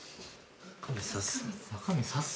中身さす。